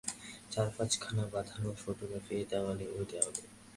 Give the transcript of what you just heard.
চার-পাঁচখানা বাঁধানো ফটোগ্রাফ এ দেওয়ালে, ও দেওয়ালে।